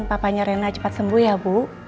papanya rena cepat sembuh ya bu